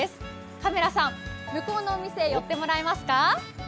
カメラさん、向こうのお店、寄ってもらえますか？